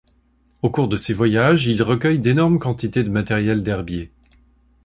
Au cours de ses voyages, il recueille d'énormes quantités de matériel d'herbier.